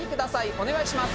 お願いします。